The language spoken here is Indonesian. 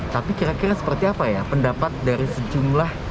tapi kira kira seperti apa ya pendapat dari sejumlah